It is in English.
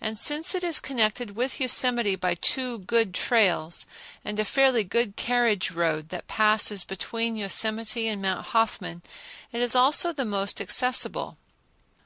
And since it is connected with Yosemite by two good trails, and a fairly good carriage road that passes between Yosemite and Mount Hoffman, it is also the most accessible.